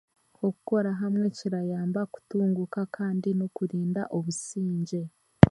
Okukora hamwe kirayamba okutunguuka hamwe n'okurinda obusingye